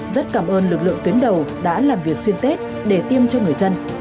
rất cảm ơn lực lượng tuyến đầu đã làm việc xuyên tết để tiêm cho người dân